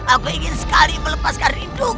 aku ingin sekali melepaskan rindu